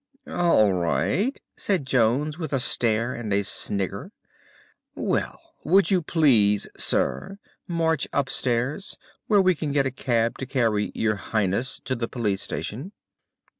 '" "All right," said Jones with a stare and a snigger. "Well, would you please, sir, march upstairs, where we can get a cab to carry your Highness to the police station?"